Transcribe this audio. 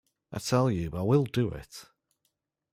I tell you I will do it.